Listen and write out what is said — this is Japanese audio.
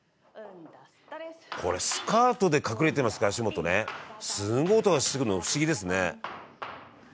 「これスカートで隠れてますから足元ねすごい音がしてくるの不思議ですね」